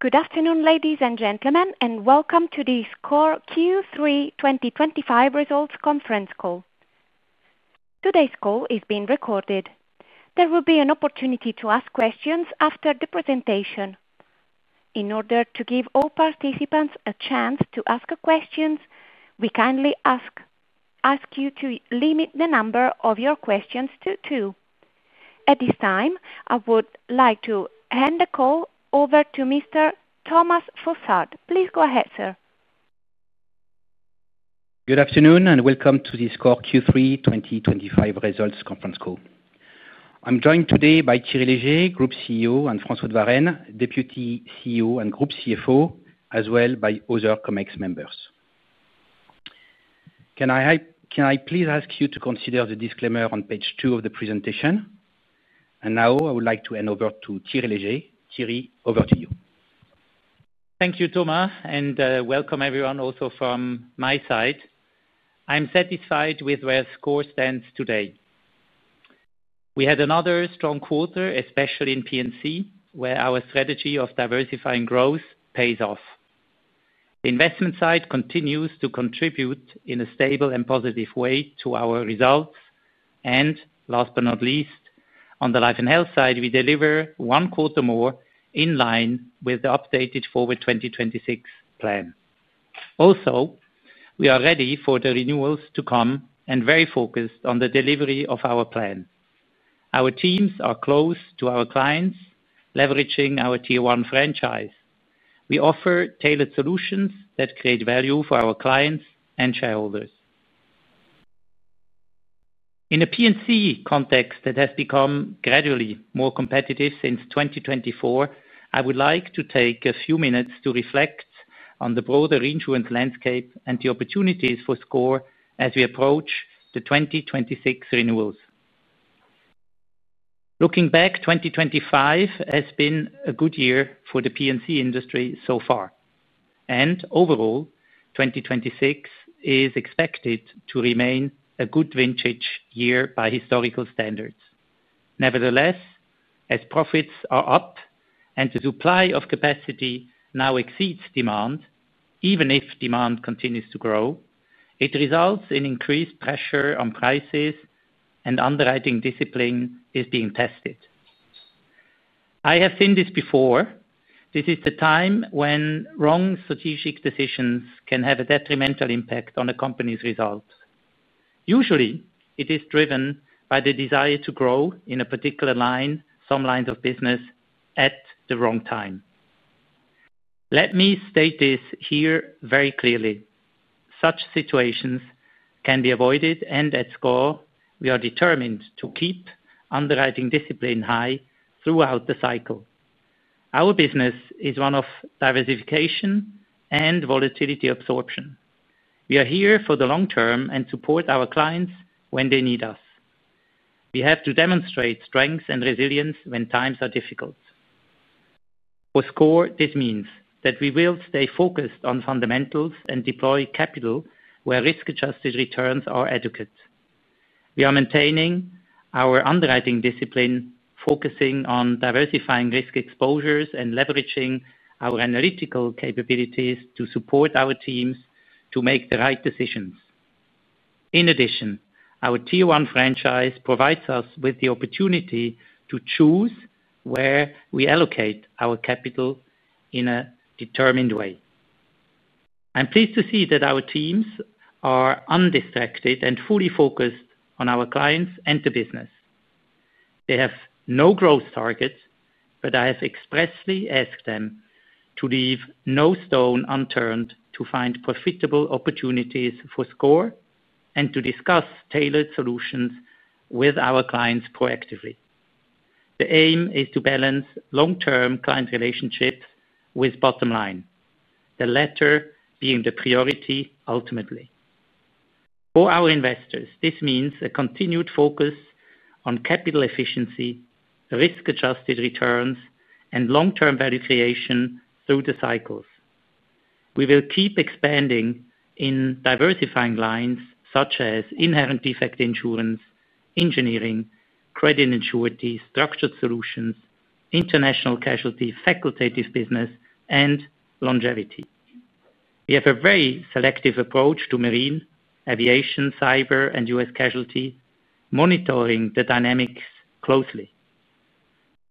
Good afternoon, ladies and gentlemen, and welcome to the SCOR Q3 2025 results conference call. Today's call is being recorded. There will be an opportunity to ask questions after the presentation. In order to give all participants a chance to ask questions, we kindly ask you to limit the number of your questions to two. At this time, I would like to hand the call over to Mr. Thomas Fossard. Please go ahead, sir. Good afternoon and welcome to the SCOR Q3 2025 results conference call. I'm joined today by Thierry Léger, Group CEO, and François de Varenne, Deputy CEO and Group CFO, as well as other COMEX members. Can I please ask you to consider the disclaimer on page two of the presentation? I would like to hand over to Thierry Léger. Thierry, over to you. Thank you, Thomas, and welcome everyone also from my side. I'm satisfied with where SCOR stands today. We had another strong quarter, especially in P&C, where our strategy of diversifying growth pays off. The investment side continues to contribute in a stable and positive way to our results. Last but not least, on the life and health side, we deliver one quarter more in line with the updated Forward 2026 plan. Also, we are ready for the renewals to come and very focused on the delivery of our plan. Our teams are close to our clients, leveraging our tier one franchise. We offer tailored solutions that create value for our clients and shareholders. In a P&C context that has become gradually more competitive since 2024, I would like to take a few minutes to reflect on the broader insurance landscape and the opportunities for SCOR as we approach the 2026 renewals. Looking back, 2025 has been a good year for the P&C industry so far. Overall, 2026 is expected to remain a good vintage year by historical standards. Nevertheless, as profits are up and the supply of capacity now exceeds demand, even if demand continues to grow, it results in increased pressure on prices, and underwriting discipline is being tested. I have seen this before. This is the time when wrong strategic decisions can have a detrimental impact on a company's results. Usually, it is driven by the desire to grow in a particular line, some lines of business, at the wrong time. Let me state this here very clearly. Such situations can be avoided, and at SCOR, we are determined to keep underwriting discipline high throughout the cycle. Our business is one of diversification and volatility absorption. We are here for the long term and support our clients when they need us. We have to demonstrate strengths and resilience when times are difficult. For SCOR, this means that we will stay focused on fundamentals and deploy capital where risk-adjusted returns are adequate. We are maintaining our underwriting discipline, focusing on diversifying risk exposures and leveraging our analytical capabilities to support our teams to make the right decisions. In addition, our tier one franchise provides us with the opportunity to choose where we allocate our capital in a determined way. I'm pleased to see that our teams are undistracted and fully focused on our clients and the business. They have no growth targets, but I have expressly asked them to leave no stone unturned to find profitable opportunities for SCOR and to discuss tailored solutions with our clients proactively. The aim is to balance long-term client relationships with bottom line, the latter being the priority ultimately. For our investors, this means a continued focus on capital efficiency, risk-adjusted returns, and long-term value creation through the cycles. We will keep expanding in diversifying lines such as inherent defect insurance, engineering, credit and insurance, structured solutions, international casualty, facultative business, and longevity. We have a very selective approach to marine, aviation, cyber, and U.S. casualty, monitoring the dynamics closely.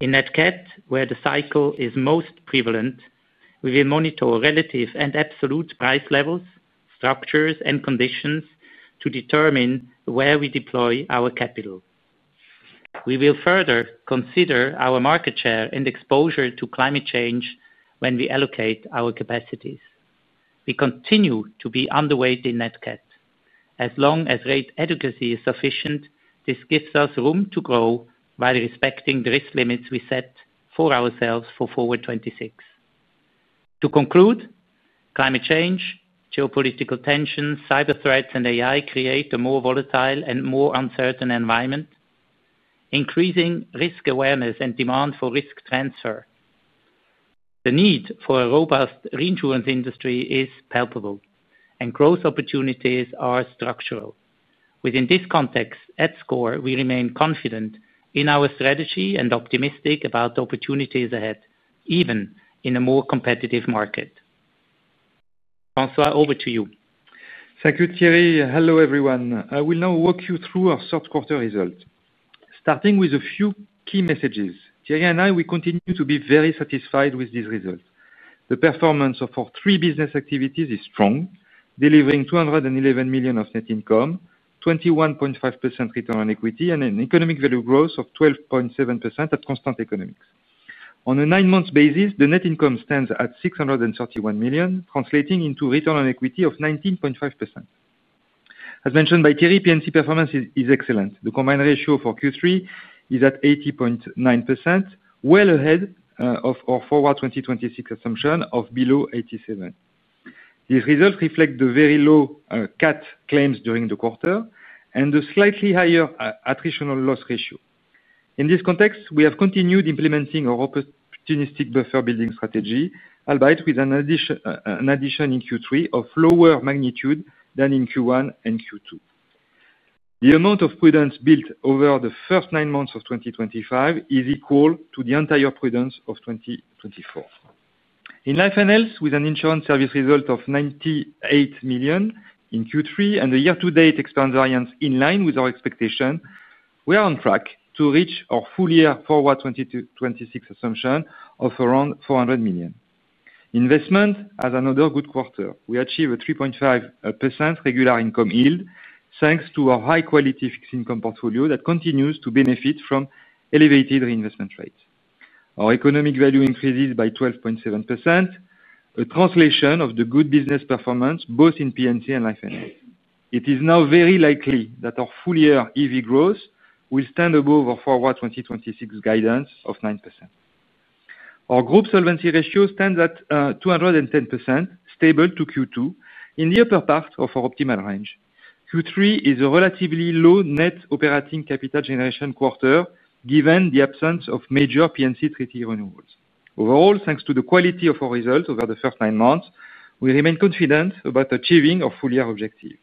In that CAT, where the cycle is most prevalent, we will monitor relative and absolute price levels, structures, and conditions to determine where we deploy our capital. We will further consider our market share and exposure to climate change when we allocate our capacities. We continue to be underweight in that CAT. As long as rate adequacy is sufficient, this gives us room to grow while respecting the risk limits we set for ourselves for Forward 2026. To conclude, climate change, geopolitical tensions, cyber threats, and AI create a more volatile and more uncertain environment. Increasing risk awareness and demand for risk transfer. The need for a robust reinsurance industry is palpable, and growth opportunities are structural. Within this context, at SCOR, we remain confident in our strategy and optimistic about opportunities ahead, even in a more competitive market. François, over to you. Thank you, Thierry. Hello everyone. I will now walk you through our third quarter results. Starting with a few key messages, Thierry and I, we continue to be very satisfied with these results. The performance of our three business activities is strong, delivering 211 million of net income, 21.5% return on equity, and an economic value growth of 12.7% at constant economics. On a nine-month basis, the net income stands at 631 million, translating into return on equity of 19.5%. As mentioned by Thierry, P&C performance is excellent. The combined ratio for Q3 is at 80.9%, well ahead of our Forward 2026 assumption of below 87%. These results reflect the very low CAT claims during the quarter and the slightly higher attritional loss ratio. In this context, we have continued implementing our opportunistic buffer-building strategy, albeit with an addition in Q3 of lower magnitude than in Q1 and Q2. The amount of prudence built over the first nine months of 2025 is equal to the entire prudence of 2024. In life and health, with an insurance service result of 98 million in Q3 and a year-to-date expense variance in line with our expectation, we are on track to reach our full year Forward 2026 assumption of around 400 million. Investment, as another good quarter, we achieve a 3.5% regular income yield thanks to our high-quality fixed income portfolio that continues to benefit from elevated reinvestment rates. Our economic value increases by 12.7%. A translation of the good business performance both in P&C and life and health. It is now very likely that our full year EV growth will stand above our Forward 2026 guidance of 9%. Our group solvency ratio stands at 210%, stable to Q2, in the upper part of our optimal range. Q3 is a relatively low net operating capital generation quarter, given the absence of major P&C treaty renewals. Overall, thanks to the quality of our results over the first nine months, we remain confident about achieving our full year objective.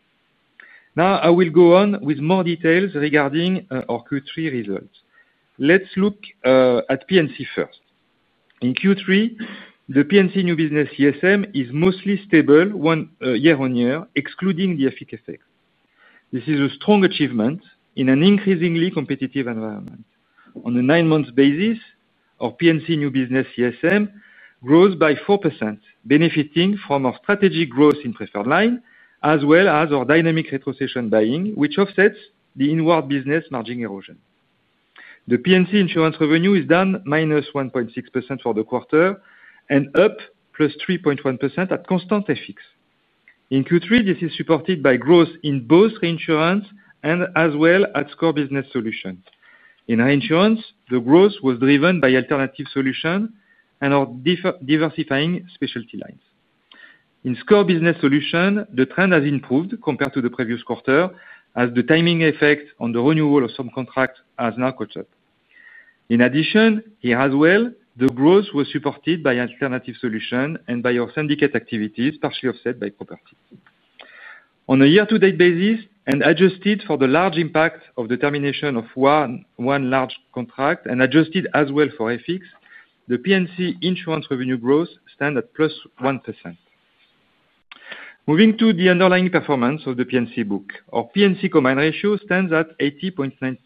Now, I will go on with more details regarding our Q3 results. Let's look at P&C first. In Q3, the P&C new business ESM is mostly stable year-on-year, excluding the effect. This is a strong achievement in an increasingly competitive environment. On a nine-month basis, our P&C new business ESM grows by 4%, benefiting from our strategic growth in preferred line, as well as our dynamic retrocession buying, which offsets the inward business margin erosion. The P&C insurance revenue is down -1.6% for the quarter and up +3.1% at constant FX. In Q3, this is supported by growth in both reinsurance as well as core business solutions. In reinsurance, the growth was driven by alternative solutions and our diversifying specialty lines. In core business solutions, the trend has improved compared to the previous quarter, as the timing effect on the renewal of some contracts has now caught up. In addition, here as well, the growth was supported by alternative solutions and by our syndicate activities, partially offset by property. On a year-to-date basis, and adjusted for the large impact of the termination of one large contract and adjusted as well for FX, the P&C insurance revenue growth stands at +1%. Moving to the underlying performance of the P&C book, our P&C combined ratio stands at 80.9%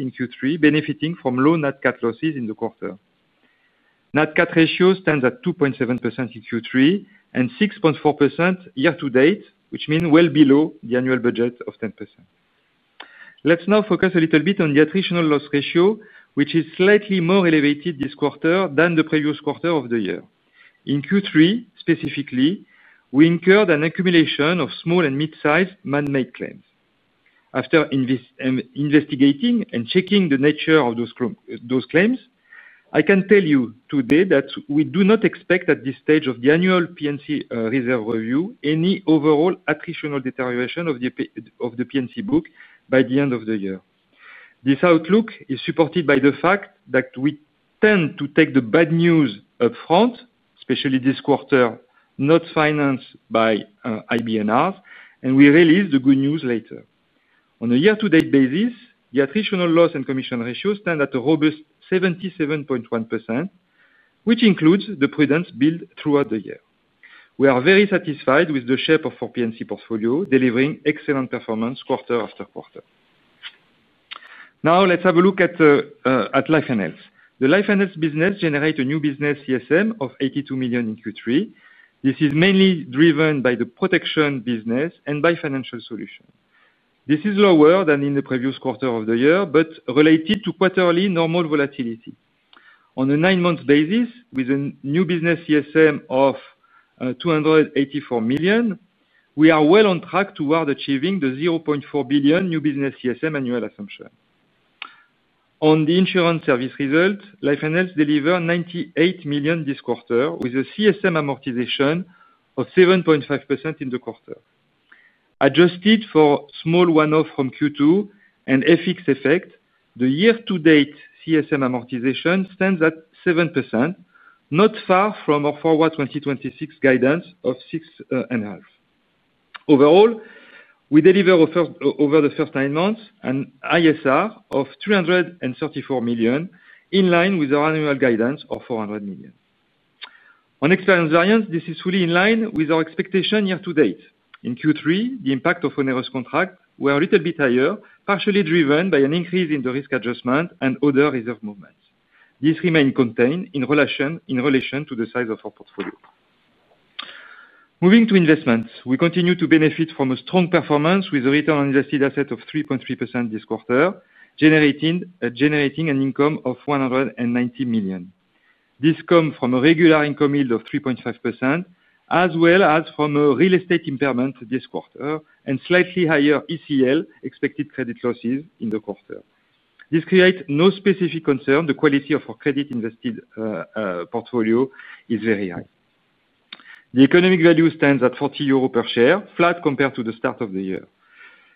in Q3, benefiting from low net CAT losses in the quarter. Net CAT ratio stands at 2.7% in Q3 and 6.4% year-to-date, which means well below the annual budget of 10%. Let's now focus a little bit on the attritional loss ratio, which is slightly more elevated this quarter than the previous quarter of the year. In Q3, specifically, we incurred an accumulation of small and mid-sized man-made claims. After investigating and checking the nature of those claims, I can tell you today that we do not expect at this stage of the annual P&C reserve review any overall attritional deterioration of the P&C book by the end of the year. This outlook is supported by the fact that we tend to take the bad news upfront, especially this quarter, not financed by IBNRs, and we release the good news later. On a year-to-date basis, the attritional loss and commission ratio stands at a robust 77.1%, which includes the prudence built throughout the year. We are very satisfied with the shape of our P&C portfolio, delivering excellent performance quarter-after-quarter. Now, let's have a look at life and health. The life and health business generates a new business ESM of 82 million in Q3. This is mainly driven by the protection business and by financial solutions. This is lower than in the previous quarter of the year, but related to quarterly normal volatility. On a nine-month basis, with a new business ESM of 284 million, we are well on track toward achieving the 0.4 billion new business ESM annual assumption. On the insurance service result, life and health deliver 98 million this quarter, with a CSM amortization of 7.5% in the quarter. Adjusted for small one-off from Q2 and FX effect, the year-to-date CSM amortization stands at 7%, not far from our Forward 2026 guidance of 6.5%. Overall, we deliver over the first nine months an ISR of 334 million, in line with our annual guidance of 400 million. On experience variance, this is fully in line with our expectation year-to-date. In Q3, the impact of onerous contracts was a little bit higher, partially driven by an increase in the risk adjustment and other reserve movements. This remains contained in relation to the size of our portfolio. Moving to investments, we continue to benefit from a strong performance with a return on invested asset of 3.3% this quarter, generating an income of 190 million. This comes from a regular income yield of 3.5%, as well as from a real estate impairment this quarter and slightly higher ECL expected credit losses in the quarter. This creates no specific concern. The quality of our credit invested portfolio is very high. The economic value stands at 40 euros per share, flat compared to the start of the year.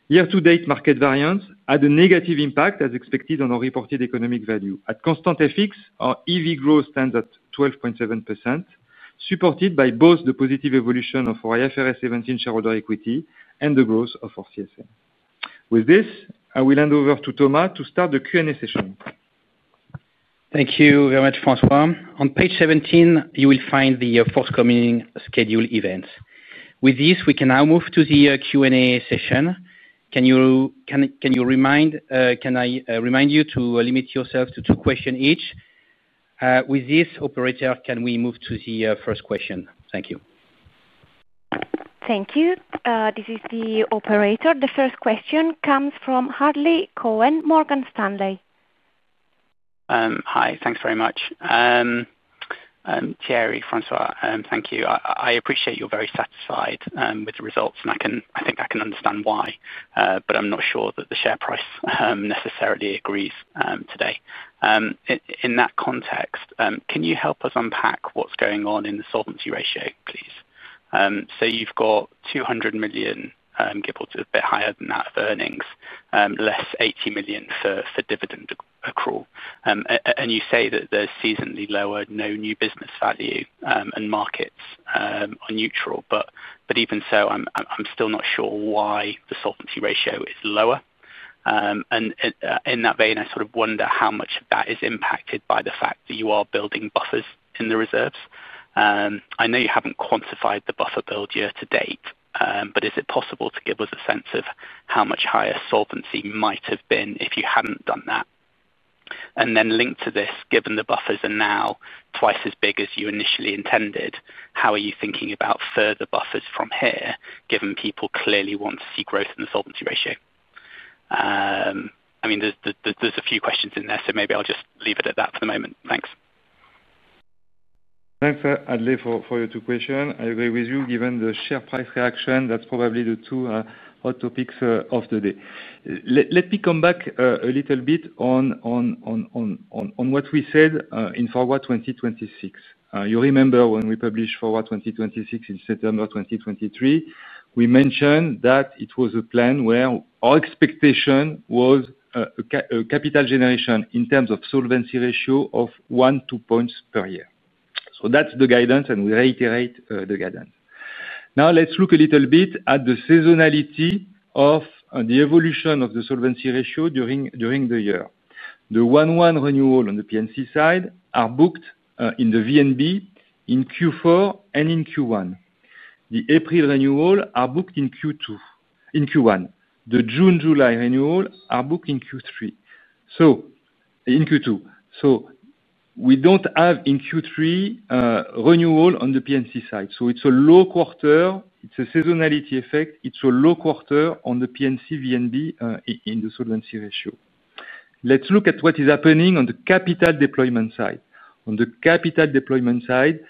Year-to-date market variance had a negative impact, as expected, on our reported economic value. At constant FX, our EV growth stands at 12.7%, supported by both the positive evolution of our IFRS 17 shareholder equity and the growth of our CSM. With this, I will hand over to Thomas to start the Q&A session. Thank you very much, François. On page 17, you will find the forthcoming scheduled events. With this, we can now move to the Q&A session. Can you remind you to limit yourself to two questions each? With this, operator, can we move to the first question? Thank you. Thank you. This is the operator. The first question comes from Hadley Cohen, Morgan Stanley. Hi, thanks very much. Thierry, François, thank you. I appreciate you're very satisfied with the results, and I think I can understand why, but I'm not sure that the share price necessarily agrees today. In that context, can you help us unpack what's going on in the solvency ratio, please? You've got 200 million, a bit higher than that, of earnings, less 80 million for dividend accrual. You say that there's seasonally lower no new business value, and markets are neutral, but even so, I'm still not sure why the solvency ratio is lower. In that vein, I sort of wonder how much of that is impacted by the fact that you are building buffers in the reserves. I know you haven't quantified the buffer build year-to-date, but is it possible to give us a sense of how much higher solvency might have been if you hadn't done that? Linked to this, given the buffers are now twice as big as you initially intended, how are you thinking about further buffers from here, given people clearly want to see growth in the solvency ratio? There are a few questions in there, so maybe I'll just leave it at that for the moment. Thanks. Thanks, Hadley, for your two questions. I agree with you. Given the share price reaction, that's probably the two hot topics of the day. Let me come back a little bit on what we said in Forward 2026. You remember when we published Forward 2026 in September 2023, we mentioned that it was a plan where our expectation was capital generation in terms of solvency ratio of one to two points per year. That's the guidance, and we reiterate the guidance. Now, let's look a little bit at the seasonality of the evolution of the solvency ratio during the year. The one-month renewal on the P&C side are booked in the V&B in Q4 and in Q1. The April renewal are booked in Q1. The June-July renewal are booked in Q2. We don't have in Q3 renewal on the P&C side. It's a low quarter. It's a seasonality effect. It's a low quarter on the P&C V&B in the solvency ratio. Let's look at what is happening on the capital deployment side. On the capital deployment side,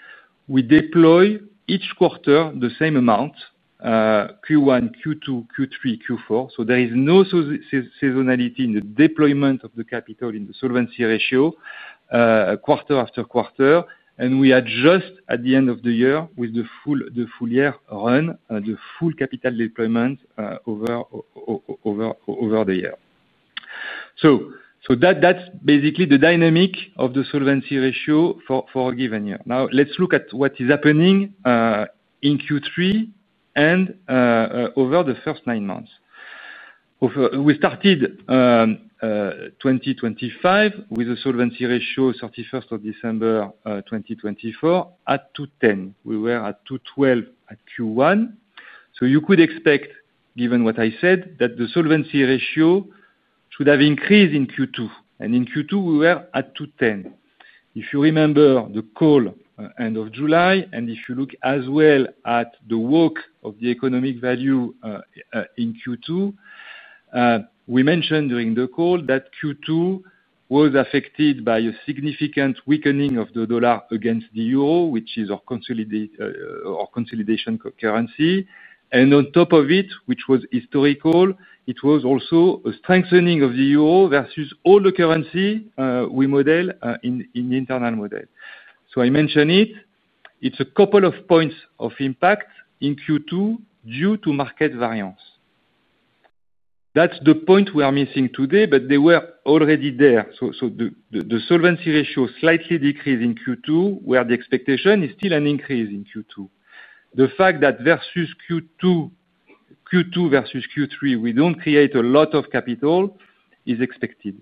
we deploy each quarter the same amount. Q1, Q2, Q3, Q4. There is no seasonality in the deployment of the capital in the solvency ratio quarter-after-quarter, and we adjust at the end of the year with the full year run, the full capital deployment over the year. That's basically the dynamic of the solvency ratio for a given year. Now, let's look at what is happening in Q3 and over the first nine months. We started 2025 with a solvency ratio 31st of December 2024 at 210. We were at 212 at Q1. You could expect, given what I said, that the solvency ratio should have increased in Q2. In Q2, we were at 210. If you remember the call end of July, and if you look as well at the work of the economic value in Q2, we mentioned during the call that Q2 was affected by a significant weakening of the dollar against the euro, which is our consolidation currency. On top of it, which was historical, it was also a strengthening of the euro versus all the currency we model in the internal model. I mentioned it. It's a couple of points of impact in Q2 due to market variance. That's the point we are missing today, but they were already there. The solvency ratio slightly decreased in Q2, where the expectation is still an increase in Q2. The fact that versus Q2, versus Q3, we don't create a lot of capital is expected.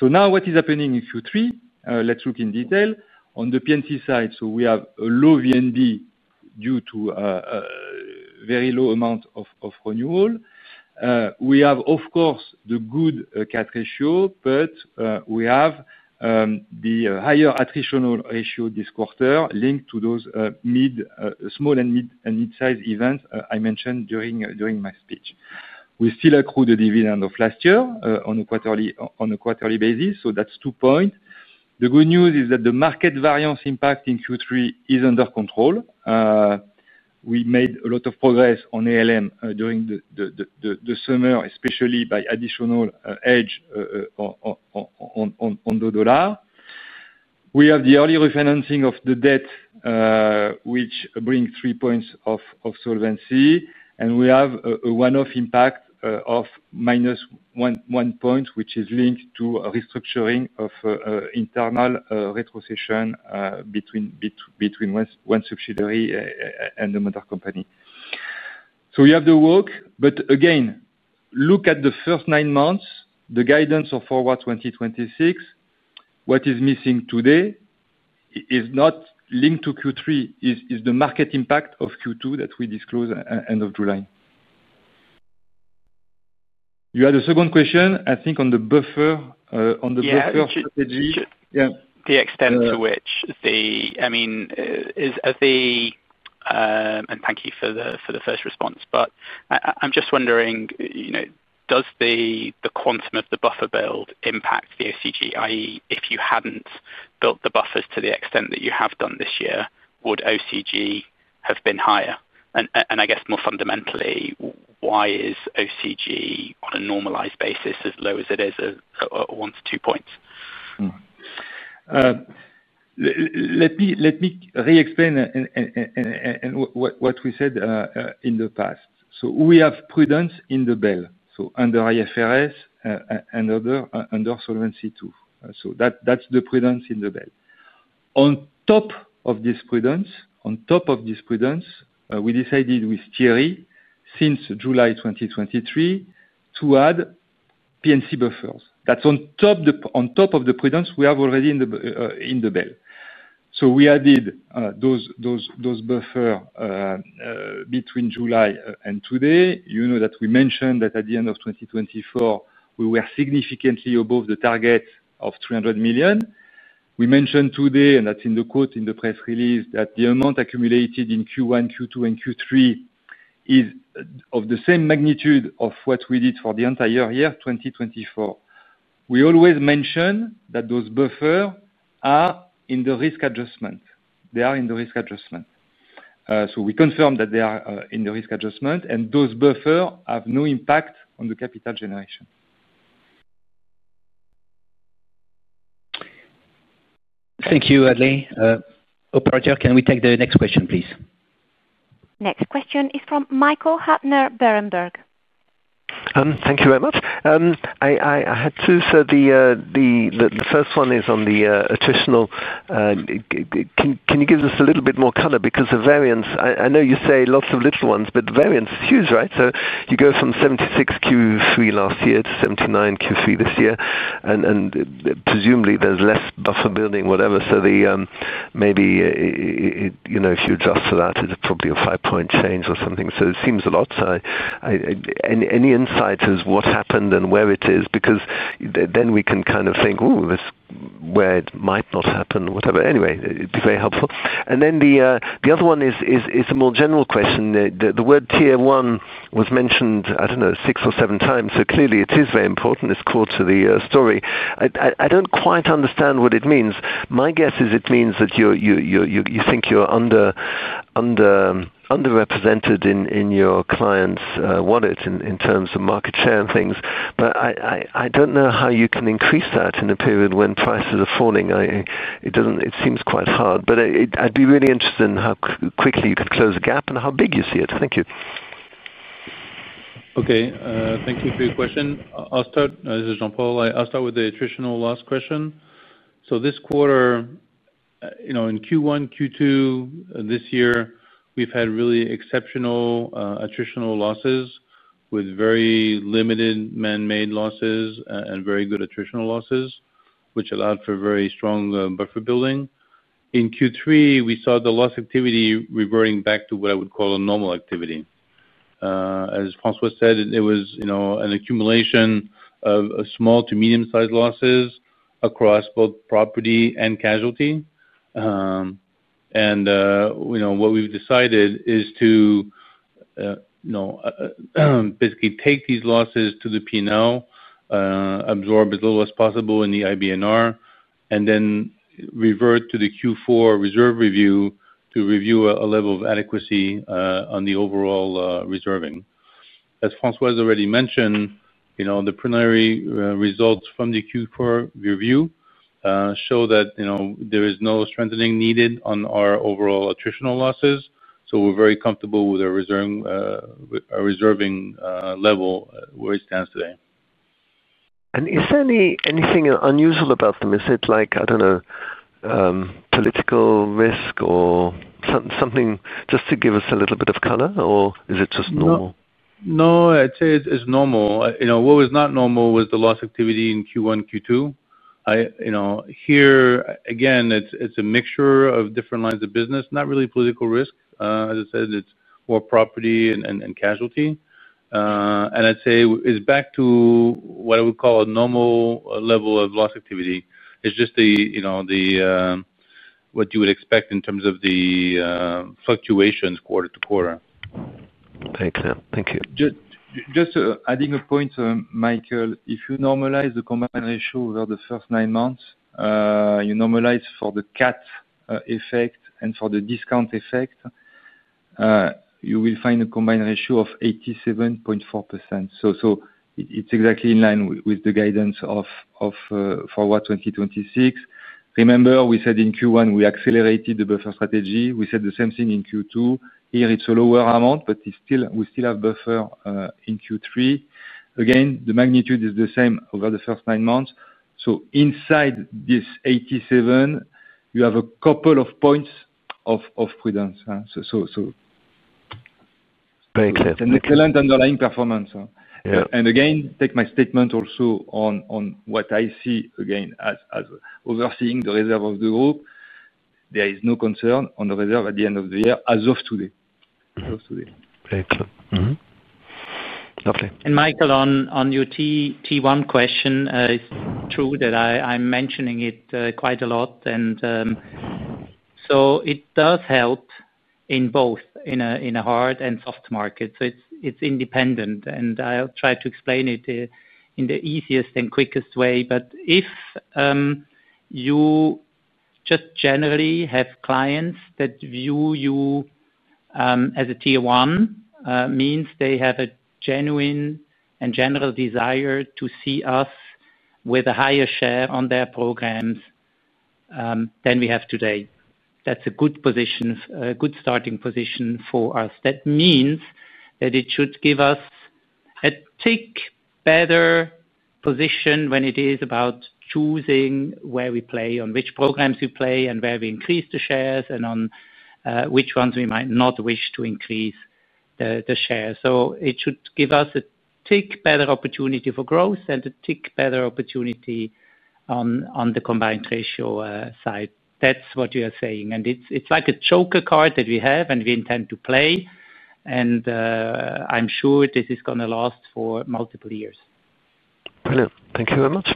Now, what is happening in Q3? Let's look in detail. On the P&C side, we have a low V&B due to a very low amount of renewal. We have, of course, the good CAT ratio, but we have. The higher attritional ratio this quarter linked to those small and mid-sized events I mentioned during my speech. We still accrue the dividend of last year on a quarterly basis. That's two points. The good news is that the market variance impact in Q3 is under control. We made a lot of progress on ALM during the summer, especially by additional edge on the dollar. We have the early refinancing of the debt, which brings three points of solvency, and we have a one-off impact of -1 point, which is linked to restructuring of internal retrocession between one subsidiary and the mother company. We have the work, but again, look at the first nine months, the guidance of Forward 2026. What is missing today is not linked to Q3, it is the market impact of Q2 that we disclose at the end of July. You had a second question, I think, on the buffer strategy. To the extent to which the, I mean, thank you for the first response, but I'm just wondering, does the quantum of the buffer build impact the OCG? If you hadn't built the buffers to the extent that you have done this year, would OCG have been higher? I guess more fundamentally, why is OCG on a normalized basis as low as it is, one to two points? Let me re-explain. What we said in the past. We have prudence in the bell, under IFRS and under Solvency II. That's the prudence in the bell. On top of this prudence, we decided with Thierry Léger, since July 2023, to add P&C buffers. That's on top of the prudence we have already in the bell. We added those buffers between July and today. You know that we mentioned that at the end of 2024, we were significantly above the target of 300 million. We mentioned today, and that's in the quote in the press release, that the amount accumulated in Q1, Q2, and Q3 is of the same magnitude as what we did for the entire year 2024. We always mention that those buffers are in the risk adjustment. They are in the risk adjustment. We confirm that they are in the risk adjustment, and those buffers have no impact on the capital generation. Thank you, Hadley. Operator, can we take the next question, please? Next question is from Michael Huttner, Berenberg. Thank you very much. The first one is on the attritional. Can you give us a little bit more color? Because the variance, I know you say lots of little ones, but the variance is huge, right? You go from 76 Q3 last year to 79 Q3 this year, and presumably there's less buffer-building, whatever. If you adjust for that, it's probably a five-point change or something. It seems a lot. Any insight as to what happened and where it is? We can kind of think, "Ooh, this is where it might not happen," whatever. It'd be very helpful. The other one is a more general question. The word tier one was mentioned, I don't know, 6x or 7x. Clearly, it is very important. It's core to the story. I don't quite understand what it means. My guess is it means that you think you're underrepresented in your client's wallet in terms of market share and things. I don't know how you can increase that in a period when prices are falling. It seems quite hard. I'd be really interested in how quickly you could close the gap and how big you see it. Thank you. Okay. Thank you for your question. I'll start. This is Jean-Paul. I'll start with the attritional loss question. This quarter, in Q1, Q2, this year, we've had really exceptional attritional losses with very limited man-made losses and very good attritional losses, which allowed for very strong buffer-building. In Q3, we saw the loss activity reverting back to what I would call a normal activity. As François said, it was an accumulation of small to medium-sized losses across both property and casualty. What we've decided is to basically take these losses to the P&L, absorb as little as possible in the IBNR, and then revert to the Q4 reserve review to review a level of adequacy on the overall reserving. As François has already mentioned, the preliminary results from the Q4 review show that there is no strengthening needed on our overall attritional losses. We're very comfortable with our reserving level where it stands today. Is there anything unusual about them? Is it like, I don't know, political risk or something, just to give us a little bit of color, or is it just normal? No, I'd say it's normal. What was not normal was the loss activity in Q1, Q2. Here, again, it's a mixture of different lines of business, not really political risk. As I said, it's more property and casualty. I'd say it's back to what I would call a normal level of loss activity. It's just what you would expect in terms of the fluctuations quarter-to-quarter. Thanks. Thank you. Just adding a point, Michael, if you normalize the combined ratio over the first nine months, you normalize for the CAT effect and for the discount effect. You will find a combined ratio of 87.4%. It's exactly in line with the guidance of Forward 2026. Remember, we said in Q1, we accelerated the buffer strategy. We said the same thing in Q2. Here, it's a lower amount, but we still have buffer in Q3. Again, the magnitude is the same over the first nine months. Inside this 87, you have a couple of points of prudence. Very clear. The clear underlying performance is evident. Take my statement also on what I see as overseeing the reserve of the group. There is no concern on the reserve at the end of the year as of today. Thank you. Lovely. Michael, on your T1 question, it's true that I'm mentioning it quite a lot. It does help in both a hard and soft market, so it's independent. I'll try to explain it in the easiest and quickest way. If you just generally have clients that view you as a tier one, it means they have a genuine and general desire to see us with a higher share on their programs than we have today. That's a good starting position for us. That means that it should give us a tick better position when it is about choosing where we play, on which programs we play, and where we increase the shares, and on which ones we might not wish to increase the shares. It should give us a tick better opportunity for growth and a tick better opportunity on the combined ratio side. That's what you are saying. It's like a choker card that we have and we intend to play. I'm sure this is going to last for multiple years. Brilliant. Thank you very much.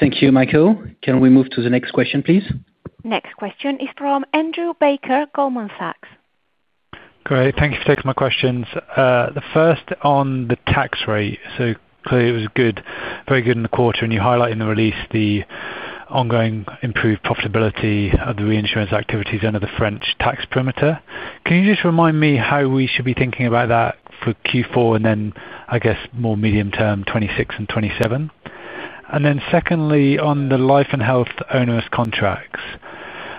Thank you, Michael. Can we move to the next question, please? Next question is from Andrew Baker, Goldman Sachs. Great. Thank you for taking my questions. The first on the tax rate. It was very good in the quarter, and you highlighted in the release the ongoing improved profitability of the reinsurance activities under the French tax perimeter. Can you just remind me how we should be thinking about that for Q4 and then, I guess, more medium term, 2026 and 2027? Secondly, on the life and health onerous contracts.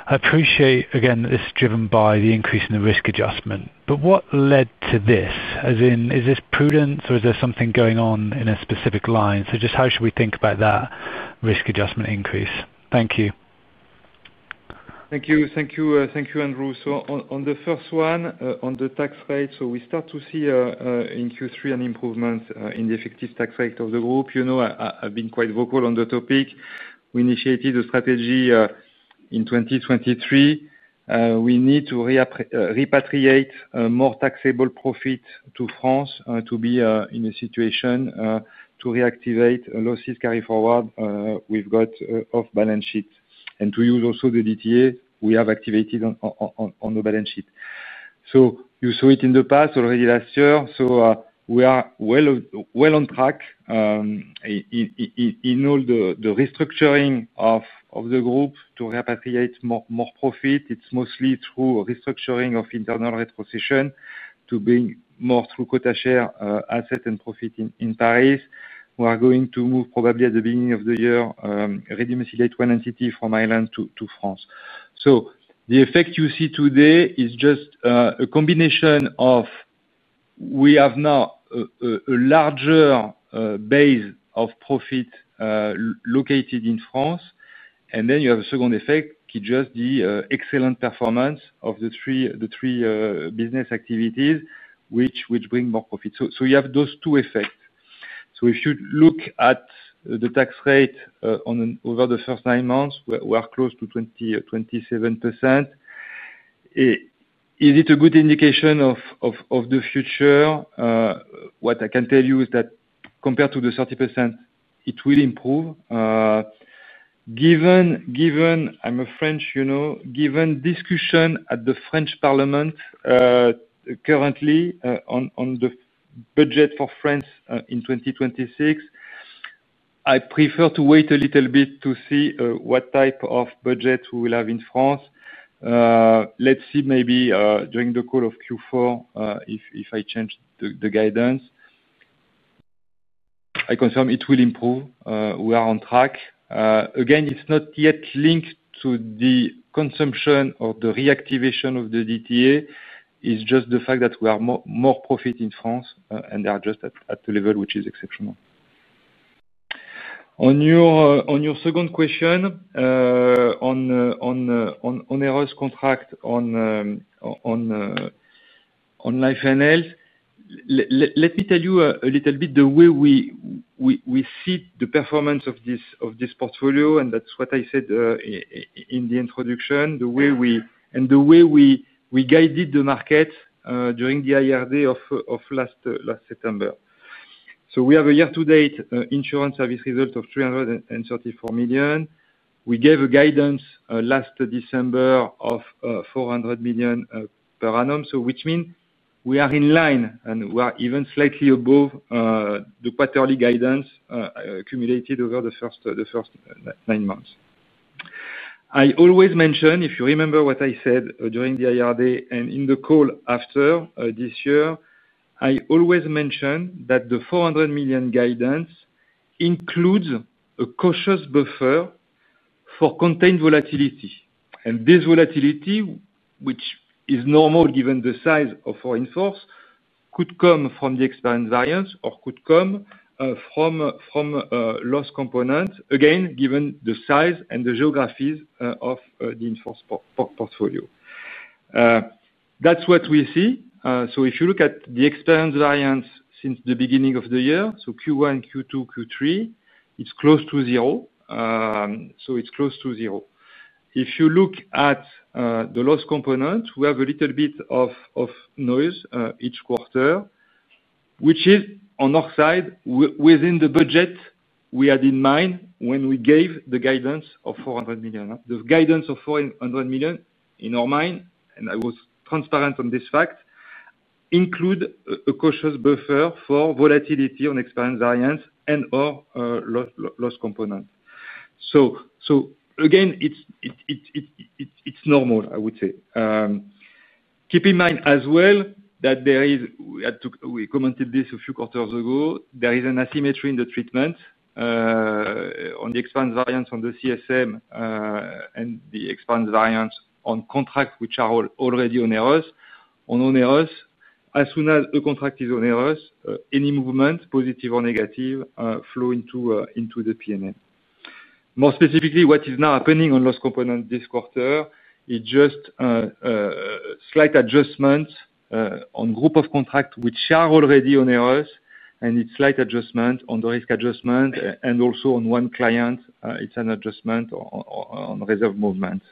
I appreciate, again, that this is driven by the increase in the risk adjustment. What led to this? Is this prudence, or is there something going on in a specific line? How should we think about that risk adjustment increase? Thank you. Thank you. Thank you, Andrew. On the first one, on the tax rate, we start to see in Q3 an improvement in the effective tax rate of the group. I've been quite vocal on the topic. We initiated a strategy in 2023. We need to repatriate more taxable profits to France to be in a situation to reactivate losses carry forward we've got off balance sheet and to use also the DTA we have activated on the balance sheet. You saw it in the past, already last year. We are well on track in all the restructuring of the group to repatriate more profits. It's mostly through restructuring of internal retrocession to bring more through quota share assets and profits in Paris. We are going to move, probably at the beginning of the year, re-domiciliate one entity from Ireland to France. The effect you see today is just a combination of having now a larger base of profits located in France. Then you have a second effect, which is just the excellent performance of the three business activities which bring more profits. You have those two effects. If you look at the tax rate over the first nine months, we are close to 27%. Is it a good indication of the future? What I can tell you is that compared to the 30%, it will improve. I'm French, given discussion at the French Parliament currently on the budget for France in 2026. I prefer to wait a little bit to see what type of budget we will have in France. Let's see maybe during the call of Q4 if I change the guidance. I confirm it will improve. We are on track. Again, it's not yet linked to the consumption or the reactivation of the DTA. It's just the fact that we have more profits in France, and they are just at the level which is exceptional. On your second question, on onerous contract on life and health, let me tell you a little bit the way we see the performance of this portfolio, and that's what I said in the introduction, and the way we guided the market during the IRD of last September. We have a year-to-date insurance service result of 334 million. We gave a guidance last December of 400 million per annum, which means we are in line, and we are even slightly above the quarterly guidance accumulated over the first nine months. I always mention, if you remember what I said during the IRD and in the call after this year, I always mention that the 400 million guidance includes a cautious buffer for contained volatility. This volatility, which is normal given the size of our in-force, could come from the experience variance or could come from loss components, given the size and the geographies of the in-force portfolio. That's what we see. If you look at the experience variance since the beginning of the year, so Q1, Q2, Q3, it's close to zero. If you look at the loss component, we have a little bit of noise each quarter, which is on our side within the budget we had in mind when we gave the guidance of 400 million. The guidance of 400 million in our mind, and I was transparent on this fact, includes a cautious buffer for volatility on experience variance and/or loss component. It is normal, I would say. Keep in mind as well that there is, we commented this a few quarters ago, an asymmetry in the treatment on the expense variance on the CSM and the expense variance on contracts which are already onerous. On onerous, as soon as a contract is onerous, any movement, positive or negative, flows into the P&L. More specifically, what is now happening on loss component this quarter is just slight adjustments on group of contracts which are already onerous, and it's slight adjustment on the risk adjustment, and also on one client, it's an adjustment on reserve movements.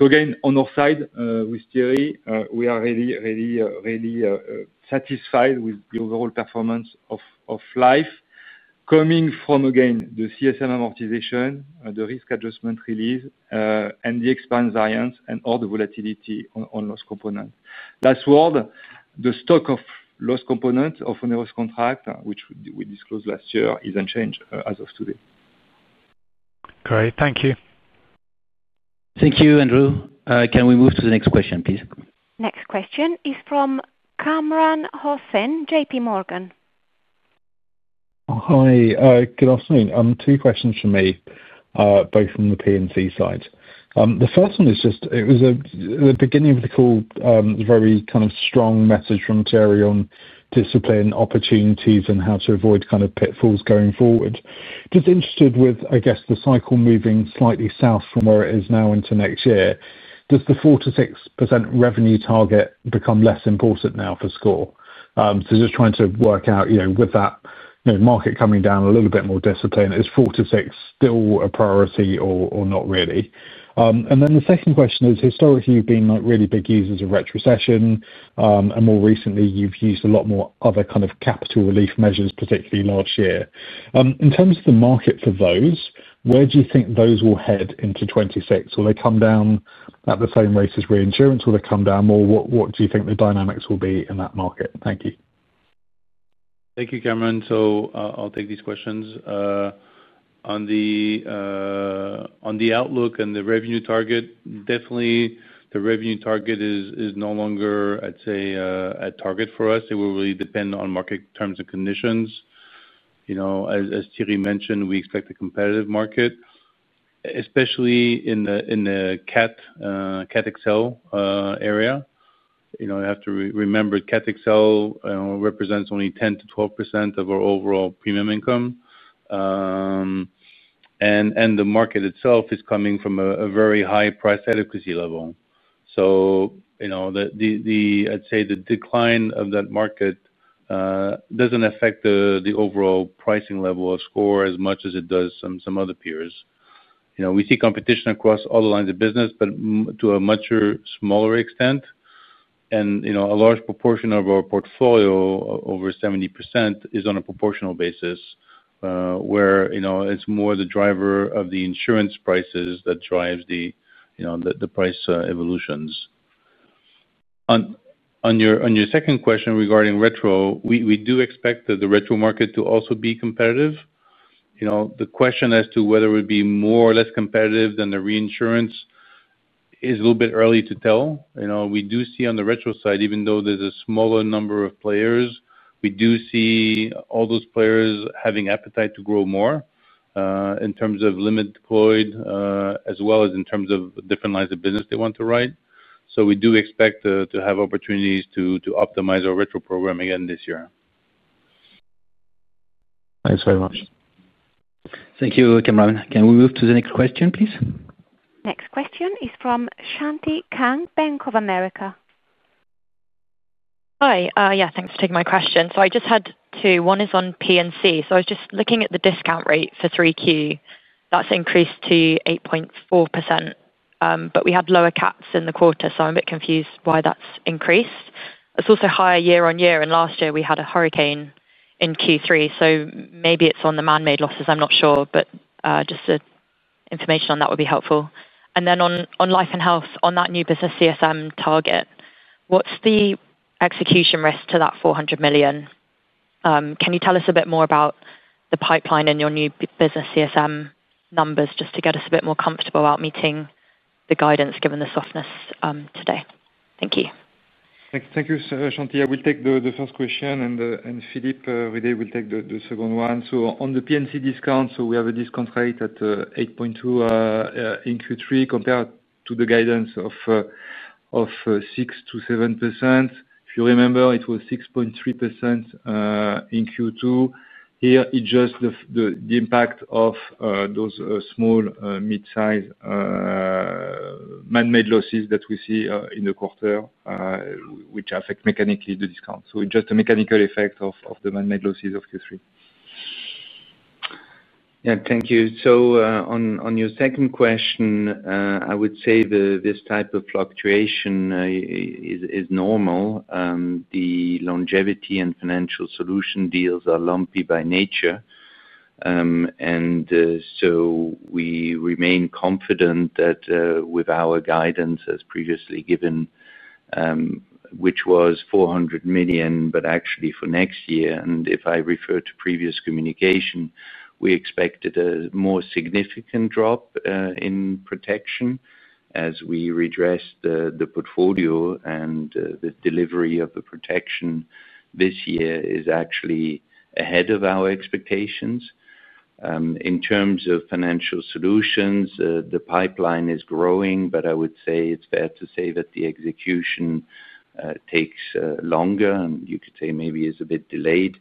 On our side, with Thierry, we are really, really, really satisfied with the overall performance of life, coming from the CSM amortization, the risk adjustment release, and the expense variance, and all the volatility on loss components. Last word, the stock of loss components of onerous contract, which we disclosed last year, is unchanged as of today. Great, thank you. Thank you, Andrew. Can we move to the next question, please? Next question is from Cameron Hossen, JP Morgan. Hi. Good afternoon. Two questions for me, both from the P&C side. The first one is just, at the beginning of the call, a very kind of strong message from Thierry Léger on discipline, opportunities, and how to avoid kind of pitfalls going forward. Just interested with, I guess, the cycle moving slightly south from where it is now into next year. Does the 4%-6% revenue target become less important now for SCOR? Just trying to work out, with that market coming down a little bit, more discipline, is 4%-6% still a priority or not really? The second question is, historically, you've been really big users of retrocession, and more recently, you've used a lot more other kind of capital relief measures, particularly last year. In terms of the market for those, where do you think those will head into 2026? Will they come down at the same rate as reinsurance? Will they come down more? What do you think the dynamics will be in that market? Thank you. Thank you, Cameron. I'll take these questions. On the outlook and the revenue target, definitely the revenue target is no longer, I'd say, at target for us. It will really depend on market terms and conditions. As Thierry mentioned, we expect a competitive market, especially in the CAT XL area. You have to remember CAT XL represents only 10%-12% of our overall premium income, and the market itself is coming from a very high price adequacy level. I'd say the decline of that market doesn't affect the overall pricing level of SCOR as much as it does some other peers. We see competition across all the lines of business, but to a much smaller extent. A large proportion of our portfolio, over 70%, is on a proportional basis, where it's more the driver of the insurance prices that drives the price evolutions. On your second question regarding retro, we do expect the retro market to also be competitive. The question as to whether it would be more or less competitive than the reinsurance is a little bit early to tell. We do see on the retro side, even though there's a smaller number of players, all those players have appetite to grow more in terms of limit deployed, as well as in terms of different lines of business they want to write. We do expect to have opportunities to optimize our retro program again this year. Thanks very much. Thank you, Cameron. Can we move to the next question, please? Next question is from Shanti Kang, Bank of America. Hi. Yeah, thanks for taking my question. I just had two. One is on P&C. I was just looking at the discount rate for 3Q. That's increased to 8.4%. We had lower CATs in the quarter, so I'm a bit confused why that's increased. It's also higher year-on-year, and last year we had a hurricane in Q3. Maybe it's on the man-made losses. I'm not sure, but just information on that would be helpful. On life and health, on that new business CSM target, what's the execution risk to that 400 million? Can you tell us a bit more about the pipeline and your new business CSM numbers just to get us a bit more comfortable about meeting the guidance given the softness today? Thank you. Thank you, Shanti. I will take the first question, and Philippe Riday will take the second one. On the P&C discount, we have a discount rate at 8.2% in Q3 compared to the guidance of 6%-7%. If you remember, it was 6.3% in Q2. Here, it's just the impact of those small, mid-size man-made losses that we see in the quarter, which affect mechanically the discount. It's just a mechanical effect of the man-made losses of Q3. Thank you. On your second question, I would say this type of fluctuation is normal. The longevity and financial solution deals are lumpy by nature, and we remain confident that with our guidance, as previously given, which was 400 million, actually for next year, and if I refer to previous communication, we expected a more significant drop in protection as we redress the portfolio. The delivery of the protection this year is actually ahead of our expectations. In terms of financial solutions, the pipeline is growing, but I would say it's fair to say that the execution takes longer, and you could say maybe it's a bit delayed.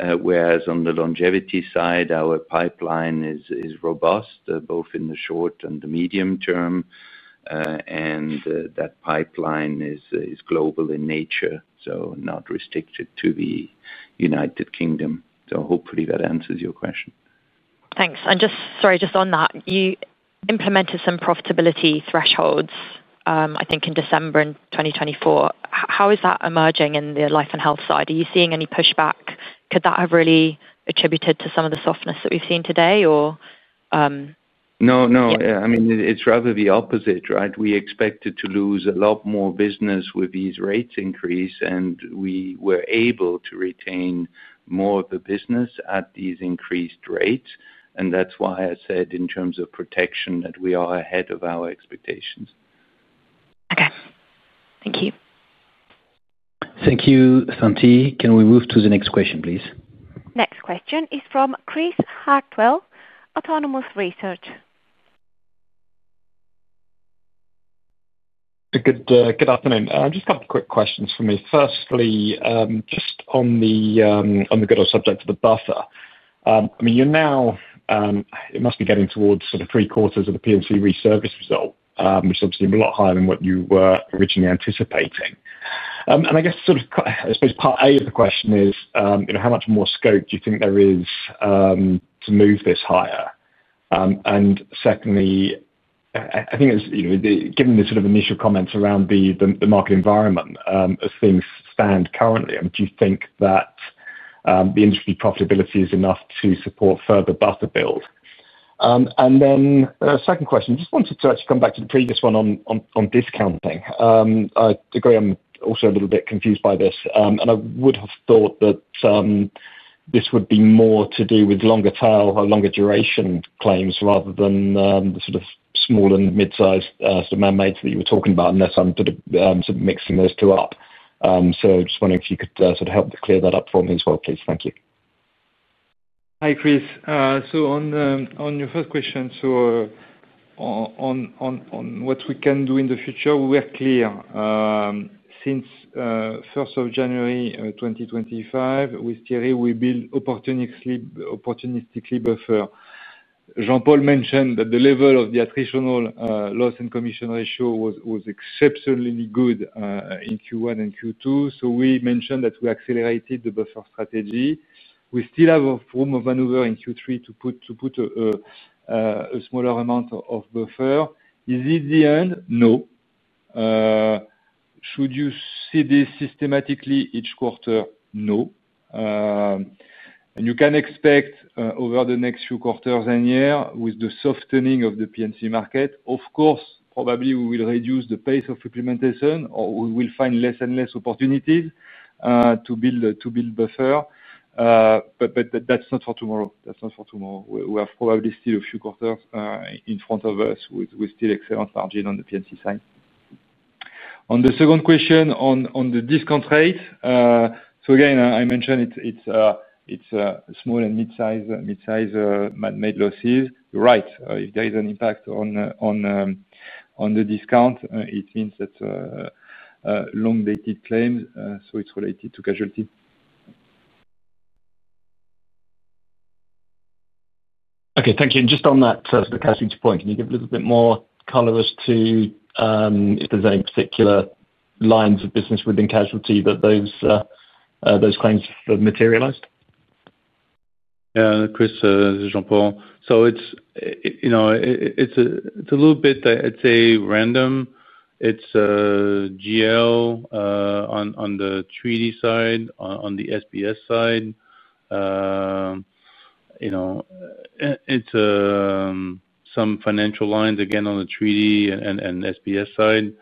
Whereas on the longevity side, our pipeline is robust, both in the short and the medium term, and that pipeline is global in nature, not restricted to the United Kingdom. Hopefully that answers your question. Thanks. Sorry, just on that, you implemented some profitability thresholds, I think, in December 2024. How is that emerging in the life and health side? Are you seeing any pushback? Could that have really attributed to some of the softness that we've seen today? No, it's rather the opposite, right? We expected to lose a lot more business with these rates increase, and we were able to retain more of the business at these increased rates. That's why I said in terms of protection that we are ahead of our expectations. Okay, thank you. Thank you, Shanti. Can we move to the next question, please? Next question is from Chris Hartwell, Autonomous Research. Good afternoon. Just a couple of quick questions for me. Firstly, just on the good old subject of the buffer. You're now, it must be getting towards sort of three quarters of the P&C reserves result, which is obviously a lot higher than what you were originally anticipating. I guess part A of the question is, how much more scope do you think there is to move this higher? Secondly, I think, given the sort of initial comments around the market environment as things stand currently, do you think that the industry profitability is enough to support further buffer build? Second question, just wanted to actually come back to the previous one on discounting. I agree, I'm also a little bit confused by this. I would have thought that this would be more to do with longer tail or longer duration claims rather than the sort of small and mid-sized man-made that you were talking about, unless I'm mixing those two up. Just wondering if you could help to clear that up for me as well, please. Thank you. Hi, Chris. On your first question, on what we can do in the future, we're clear. Since January 1, 2025, with Thierry, we build opportunistically buffer. Jean-Paul mentioned that the level of the attritional loss and commission ratio was exceptionally good in Q1 and Q2. We mentioned that we accelerated the buffer strategy. We still have room of maneuver in Q3 to put a smaller amount of buffer. Is it the end? No. Should you see this systematically each quarter? No. You can expect over the next few quarters and years with the softening of the P&C market, of course, probably we will reduce the pace of implementation or we will find less and less opportunities to build buffer. That's not for tomorrow. That's not for tomorrow. We have probably still a few quarters in front of us with still excellent margin on the P&C side. On the second question on the discount rate, I mentioned it's small and mid-size man-made losses. You're right. If there is an impact on the discount, it means that long-dated claims, so it's related to casualty. Okay, thank you. Just on that sort of casualty point, can you give a little bit more color as to if there's any particular lines of business within casualty that those claims have materialized? Yeah, Chris, Jean-Paul. It's a little bit, I'd say, random. It's GL on the treaty side, on the SBS side. It's some financial lines, again, on the treaty and SBS side.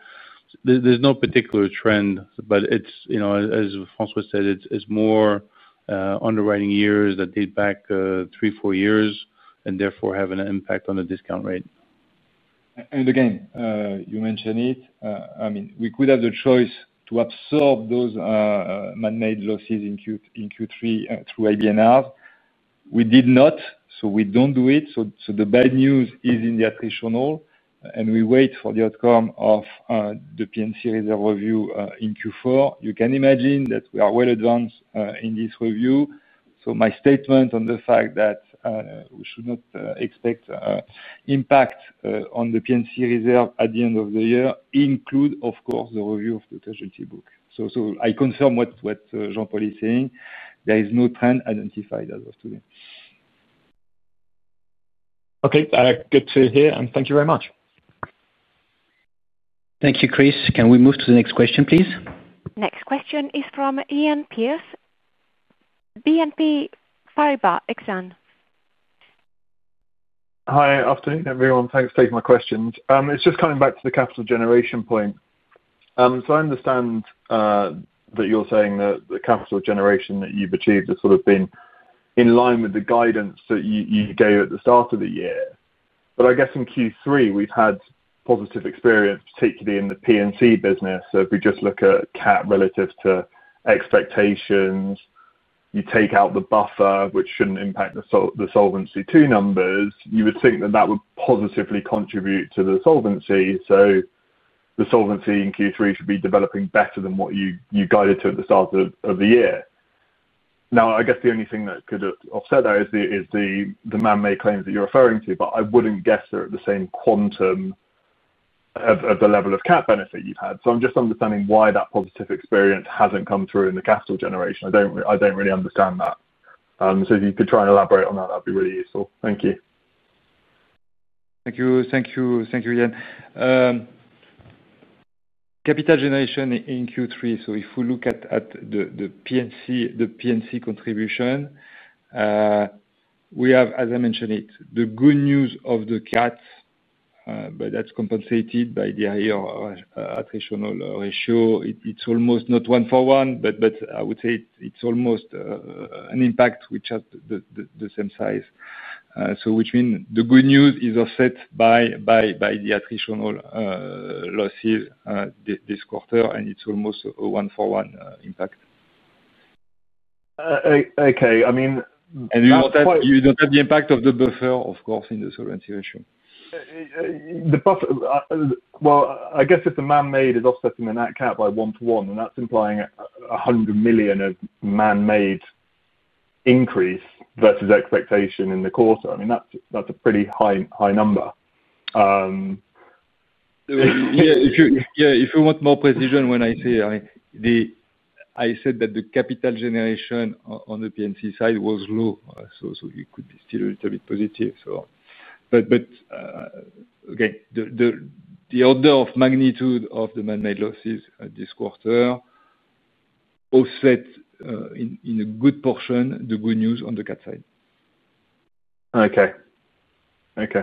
There's no particular trend. As François said, it's more underwriting years that date back three, four years, and therefore have an impact on the discount rate. You mentioned it. I mean, we could have the choice to absorb those man-made losses in Q3 through ABNR. We did not, so we don't do it. The bad news is in the attritional, and we wait for the outcome of the P&C reserve review in Q4. You can imagine that we are well advanced in this review. My statement on the fact that we should not expect impact on the P&C reserve at the end of the year includes, of course, the review of the casualty book. I confirm what Jean-Paul is saying. There is no trend identified as of today. Okay, good to hear. Thank you very much. Thank you, Chris. Can we move to the next question, please? Next question is from Iain Pierce, BNP Paribas Exane. Hi, afternoon, everyone. Thanks for taking my questions. It's just coming back to the capital generation point. I understand that you're saying that the capital generation that you've achieved has sort of been in line with the guidance that you gave at the start of the year. I guess in Q3, we've had positive experience, particularly in the P&C business. If we just look at CAT relative to expectations, you take out the buffer, which shouldn't impact the Solvency II numbers, you would think that that would positively contribute to the solvency. The solvency in Q3 should be developing better than what you guided to at the start of the year. I guess the only thing that could offset that is the man-made claims that you're referring to, but I wouldn't guess they're at the same quantum of the level of CAT benefit you've had. I'm just understanding why that positive experience hasn't come through in the capital generation. I don't really understand that. If you could try and elaborate on that, that'd be really useful. Thank you. Thank you. Thank you, Iain. Capital generation in Q3. If we look at the P&C contribution, we have, as I mentioned, the good news of the CAT, but that's compensated by the higher attritional ratio. It's almost not one-for-one, but I would say it's almost an impact which has the same size, which means the good news is offset by the attritional losses this quarter, and it's almost a one-for-one impact. Okay. I mean. You don't have the impact of the buffer, of course, in the solvency ratio. If the man-made is offsetting the net CAT by one-to-one, then that's implying a 100 million of man-made increase versus expectation in the quarter. I mean, that's a pretty high number. If you want more precision when I say, I mean, I said that the capital generation on the P&C side was low. It could be still a little bit positive. The order of magnitude of the man-made losses this quarter offset, in a good portion, the good news on the CAT side. Okay. Okay.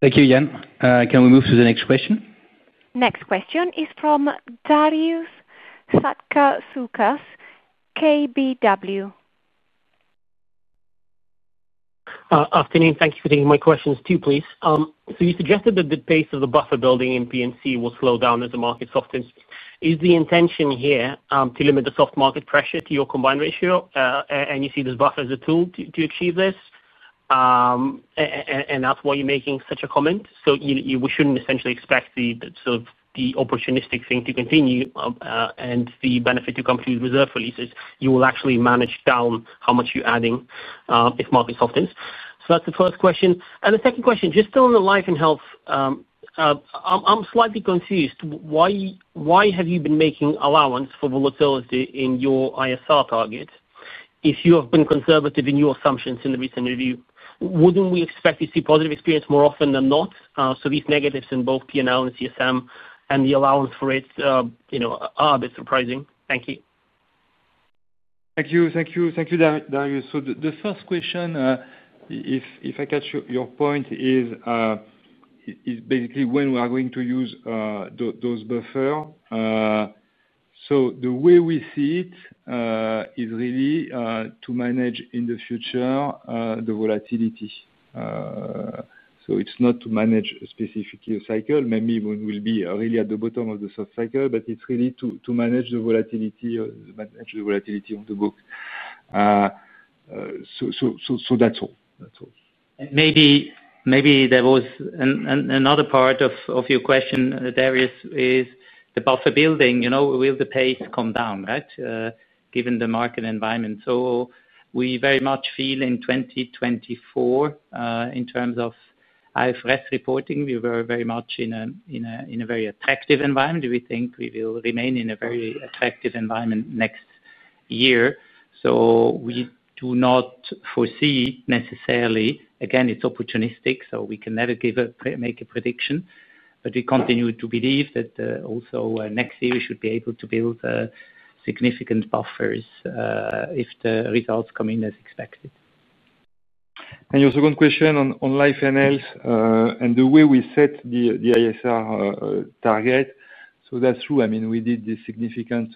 Thank you, Iain. Can we move to the next question? Next question is from Darius Sutkersukas, KBW. Afternoon. Thank you for taking my questions too, please. You suggested that the pace of the buffer-building in P&C will slow down as the market softens. Is the intention here to limit the soft market pressure to your combined ratio? You see this buffer as a tool to achieve this, and that's why you're making such a comment. We shouldn't essentially expect the sort of opportunistic thing to continue and the benefit to companies' reserve releases. You will actually manage down how much you're adding if the market softens. That's the first question. The second question, just on the life and health. I'm slightly confused. Why have you been making allowance for volatility in your ISR target if you have been conservative in your assumptions in the recent review? Wouldn't we expect to see positive experience more often than not? These negatives in both P&L and CSM and the allowance for it are a bit surprising. Thank you. Thank you. Thank you, Darius. The first question, if I catch your point, is basically when we are going to use those buffers. The way we see it is really to manage in the future the volatility. It's not to manage specifically a cycle. Maybe one will be really at the bottom of the soft cycle, but it's really to manage the volatility of the book. That's all. Maybe there was another part of your question, Darius, is the buffer-building. Will the pace come down, right, given the market environment? We very much feel in 2024, in terms of IFRS reporting, we were very much in a very attractive environment. We think we will remain in a very attractive environment next year. We do not foresee necessarily again, it's opportunistic, so we can never make a prediction. We continue to believe that also next year we should be able to build significant buffers if the results come in as expected. Your second question on life and health and the way we set the ISR target. That's true. We did this significant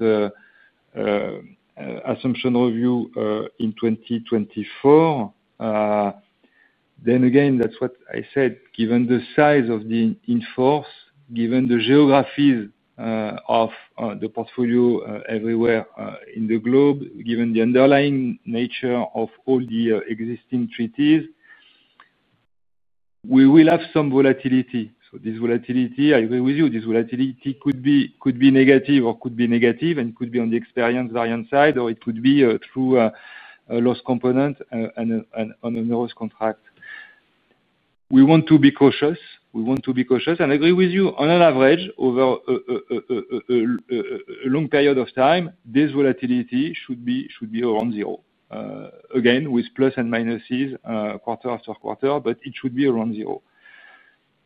assumption review in 2024. That's what I said. Given the size of the in-force, given the geographies of the portfolio everywhere in the globe, given the underlying nature of all the existing treaties, we will have some volatility. This volatility, I agree with you, could be negative or could be negative and could be on the experience variance side, or it could be through a loss component and on a nerve contract. We want to be cautious. We want to be cautious. I agree with you, on an average, over a long period of time, this volatility should be around zero, with plus and minuses quarter-after-quarter, but it should be around zero.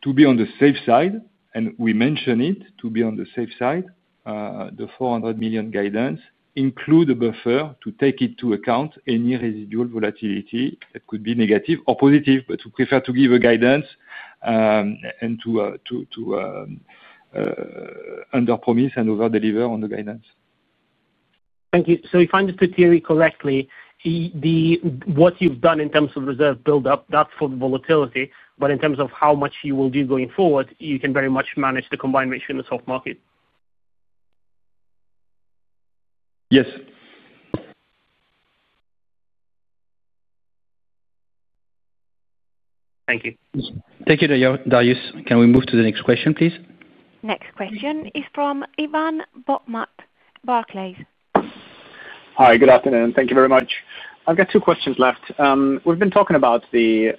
To be on the safe side, and we mention it, to be on the safe side, the 400 million guidance includes a buffer to take into account any residual volatility that could be negative or positive, but we prefer to give a guidance and to under-promise and over-deliver on the guidance. Thank you. If I understood Thierry correctly, what you've done in terms of reserve build-up is for the volatility. In terms of how much you will do going forward, you can very much manage the combined ratio in the soft market. Yes. Thank you. Thank you, Darius. Can we move to the next question, please? Next question is from Ivan Bokhmat, Barclays. Hi, good afternoon. Thank you very much. I've got two questions left. We've been talking about the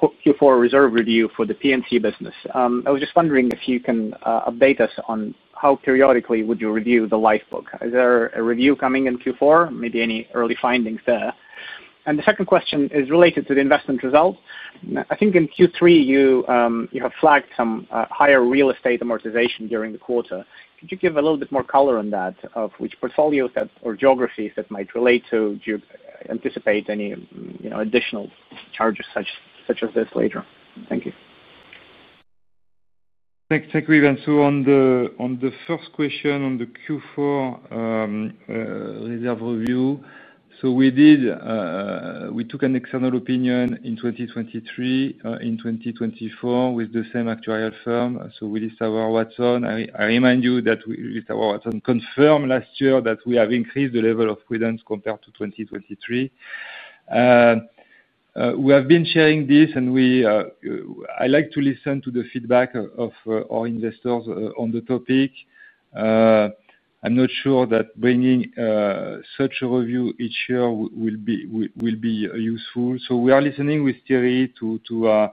Q4 reserve review for the P&C business. I was just wondering if you can update us on how periodically you would review the life book. Is there a review coming in Q4? Maybe any early findings there? The second question is related to the investment results. I think in Q3, you have flagged some higher real estate amortization during the quarter. Could you give a little bit more color on that, of which portfolios or geographies that might relate to? Do you anticipate any additional charges such as this later? Thank you. Thank you, Ivan. On the first question, on the Q4 reserve review, we took an external opinion in 2023, in 2024, with the same actuarial firm, Willis Towers Watson. I remind you that Willis Towers Watson confirmed last year that we have increased the level of prudence compared to 2023. We have been sharing this, and I like to listen to the feedback of our investors on the topic. I'm not sure that bringing such a review each year will be useful. We are listening with Thierry to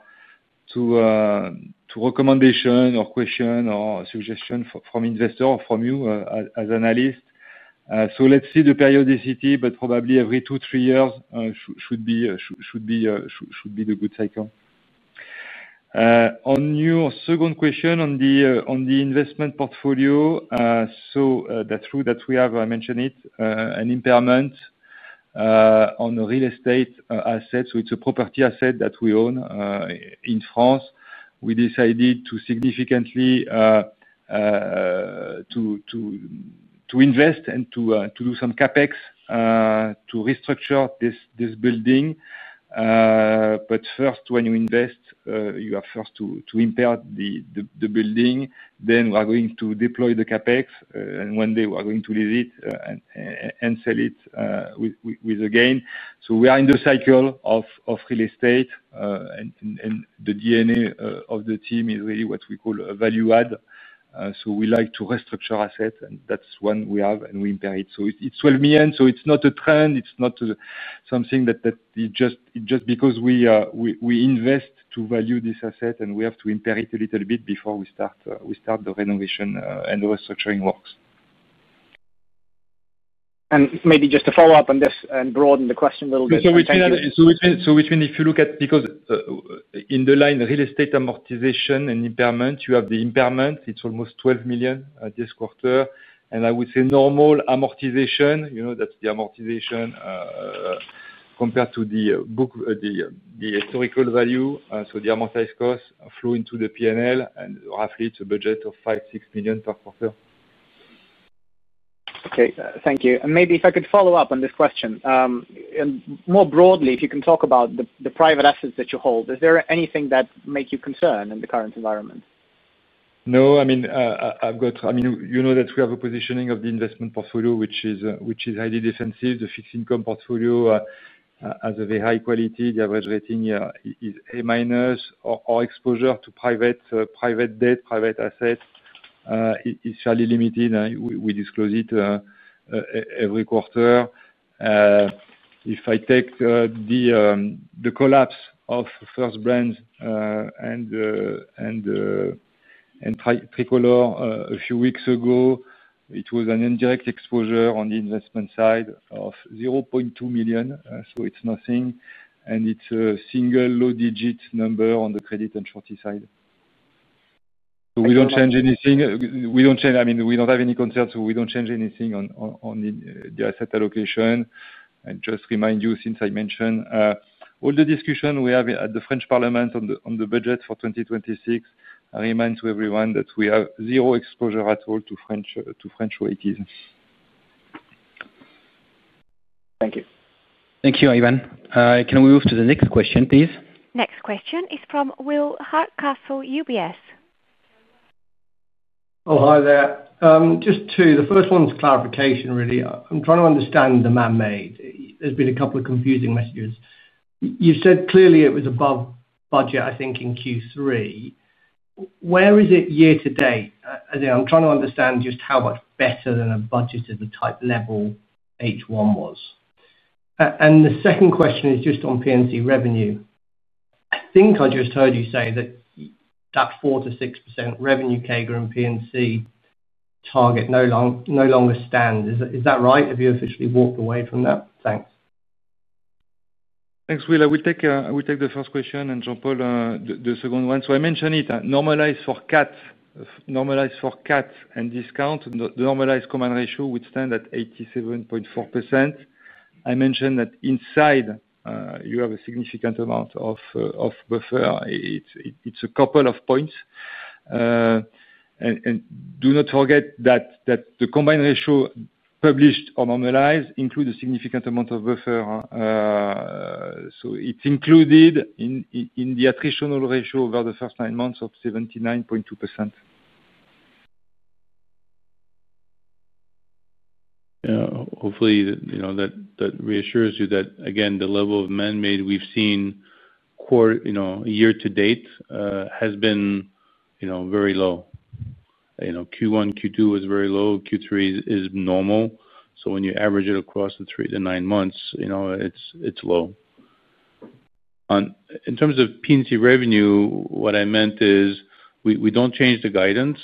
recommendations or questions or suggestions from investors or from you as analysts. Let's see the periodicity, but probably every two, three years should be the good cycle. On your second question, on the investment portfolio, that's true that we have mentioned an impairment on the real estate assets. It's a property asset that we own in France. We decided to significantly invest and to do some CapEx to restructure this building. First, when you invest, you are first to impair the building. Then we are going to deploy the CapEx, and one day we are going to leave it and sell it with a gain. We are in the cycle of real estate, and the DNA of the team is really what we call a value add. We like to restructure assets, and that's one we have, and we impair it. It's 12 million. It's not a trend. It's not something that just because we invest to value this asset, we have to impair it a little bit before we start the renovation and the restructuring works. To follow up on this and broaden the question a little bit. If you look at the line real estate amortization and impairment, you have the impairment. It's almost 12 million this quarter. I would say normal amortization, that's the amortization compared to the historical value. The amortized costs flow into the P&L, and roughly it's a budget of 5 million, 6 million per quarter. Okay. Thank you. Maybe if I could follow up on this question. More broadly, if you can talk about the private assets that you hold, is there anything that makes you concerned in the current environment? I mean, you know that we have a positioning of the investment portfolio, which is highly defensive. The fixed income portfolio has a very high quality. The average rating is A- our exposure to private debt, private assets, is fairly limited. We disclose it every quarter. If I take the collapse of First Brands and Tricolor a few weeks ago, it was an indirect exposure on the investment side of 0.2 million, so it's nothing. It's a single low-digit number on the credit and surety side. We don't change anything. I mean, we don't have any concerns. We don't change anything on the asset allocation. Just remind you, since I mentioned all the discussion we have at the French Parliament on the budget for 2026, I remind everyone that we have zero exposure at all to French ratings. Thank you. Thank you, Ivan. Can we move to the next question, please? Next question is from Will Hartcastle, UBS. Oh, hi there. Just two. The first one's clarification, really. I'm trying to understand the man-made. There's been a couple of confusing messages. You said clearly it was above budget, I think, in Q3. Where is it year to date? I'm trying to understand just how much better than a budgeted type level H1 was. The second question is just on P&C revenue. I think I just heard you say that 4%-6% revenue CAGR in P&C target no longer stands. Is that right? Have you officially walked away from that? Thanks. Thanks, Will. I will take the first question and Jean-Paul, the second one. I mentioned it normalized for CAT and discount. The normalized combined ratio would stand at 87.4%. I mentioned that inside you have a significant amount of buffer. It's a couple of points. Do not forget that the combined ratio published or normalized includes a significant amount of buffer, so it's included. In the attritional ratio over the first nine months of 79.2%. Hopefully, that reassures you that, again, the level of man-made we've seen year to date has been very low. Q1, Q2 was very low. Q3 is normal. When you average it across the nine months, it's low. In terms of P&C revenue, what I meant is we don't change the guidance.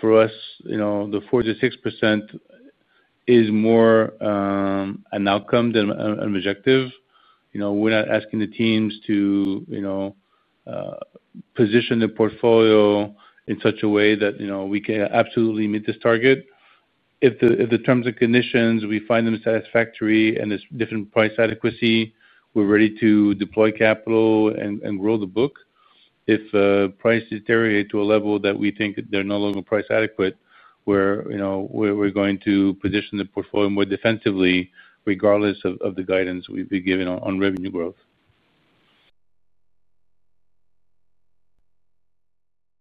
For us, the 4%-6% is more an outcome than an objective. We're not asking the teams to position the portfolio in such a way that we can absolutely meet this target. If the terms and conditions, we find them satisfactory and there's different price adequacy, we're ready to deploy capital and grow the book. If price deteriorates to a level that we think they're no longer price adequate, we're going to position the portfolio more defensively, regardless of the guidance we've been given on revenue growth.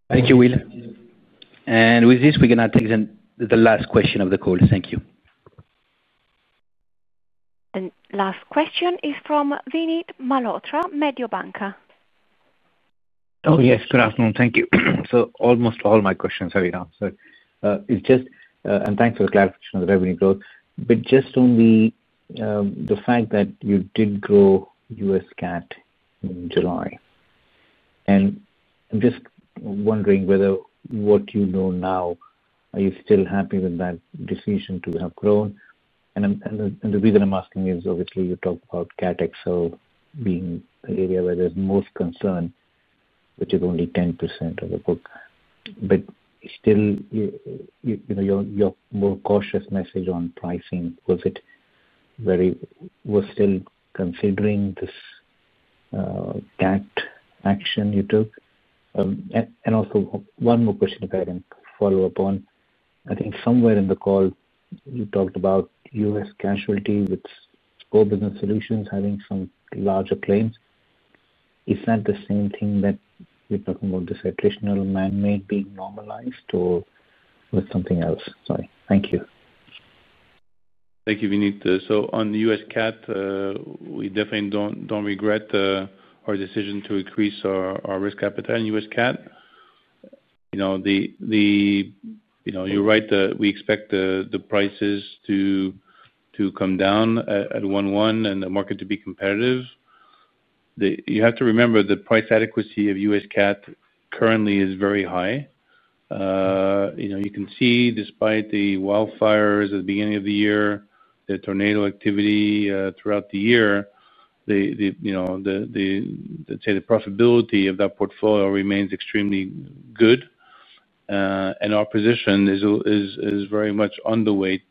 Thank you, Will. With this, we're going to take the last question of the call. Thank you. The last question is from Vinit Malhotra, Mediobanca. Yes, good afternoon. Thank you. Almost all my questions have been answered. Thank you for the clarification on the revenue growth. Just on the fact that you did grow U.S. CAT in July, I'm just wondering whether, with what you know now, you are still happy with that decision to have grown. The reason I'm asking is, obviously, you talked about CAT XL being the area where there's most concern, which is only 10% of the book, but still, your more cautious message on pricing—was it still considering this CAT action you took? Also, one more question if I can follow up on. I think somewhere in the call, you talked about U.S. casualty with core business solutions having some larger claims. Is that the same thing that you're talking about, this attritional man-made being normalized, or was it something else? Thank you. Thank you, Vinny. On the U.S. CAT, we definitely don't regret our decision to increase our risk capital in U.S. CAT. You're right that we expect the prices to come down at 1.1 and the market to be competitive. You have to remember the price adequacy of U.S. CAT currently is very high. You can see, despite the wildfires at the beginning of the year, the tornado activity throughout the year, the profitability of that portfolio remains extremely good. Our position is very much underweight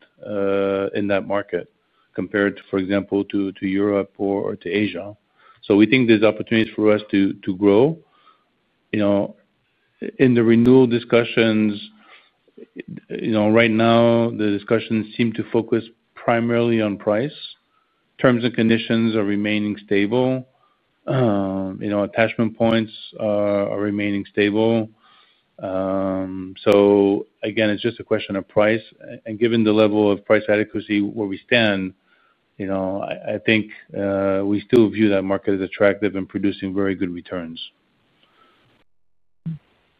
in that market compared, for example, to Europe or to Asia. We think there's opportunities for us to grow. In the renewal discussions right now, the discussions seem to focus primarily on price. Terms and conditions are remaining stable. Attachment points are remaining stable. It's just a question of price. Given the level of price adequacy where we stand, I think we still view that market as attractive and producing very good returns.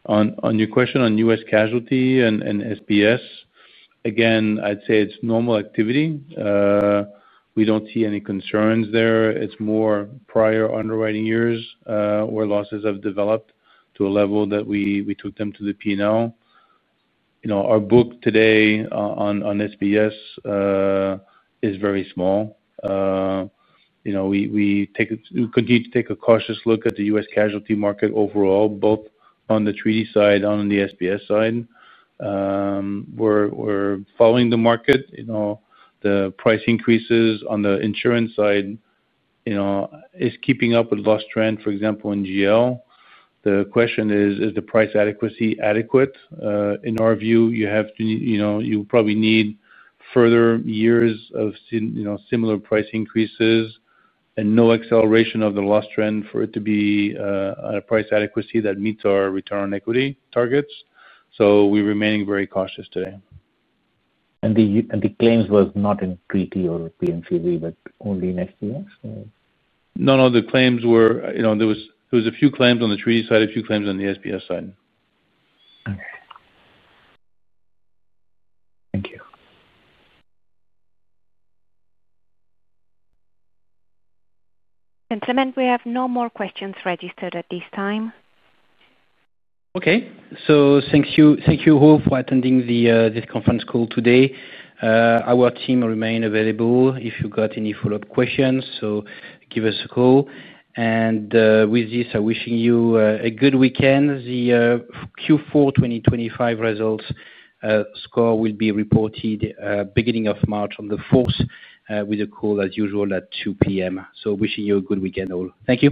On your question on U.S. casualty and SBS, I'd say it's normal activity. We don't see any concerns there. It's more prior underwriting years where losses have developed to a level that we took them to the P&L. Our book today on SBS is very small. We continue to take a cautious look at the U.S. casualty market overall, both on the treaty side and on the SBS side. We're following the market. The price increases on the insurance side are keeping up with loss trend, for example, in GL. The question is, is the price adequacy adequate? In our view, you probably need further years of similar price increases and no acceleration of the loss trend for it to be a price adequacy that meets our return on equity targets. We're remaining very cautious today. Were the claims not in treaty or P&C, but only in SBS? No, no. There were a few claims on the treaty side, a few claims on the SBS side. Okay, thank you. Gentlemen, we have no more questions registered at this time. Okay. Thank you all for attending this conference call today. Our team remains available if you've got any follow-up questions. Give us a call. With this, I'm wishing you a good weekend. The Q4 2025 results for SCOR will be reported at the beginning of March on the 4th with a call, as usual, at 2:00 P.M. Wishing you a good weekend, all. Thank you.